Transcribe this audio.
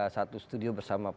saat di studio bersama mas syarif